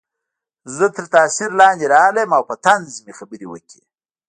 زه تر تاثیر لاندې راغلم او په طنز مې خبرې وکړې